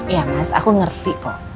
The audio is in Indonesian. ya mas aku ngerti kok